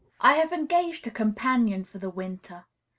I have engaged a companion for the winter.